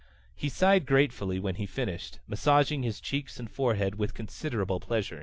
He sighed gratefully when he finished, massaging his cheeks and forehead with considerable pleasure.